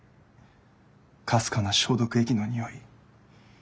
かすかな消毒液のにおい。